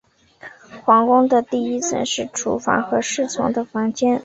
皇宫的第一层是厨房和侍从的房间。